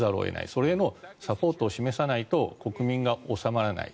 それのサポートを示さないと国民が収まらない。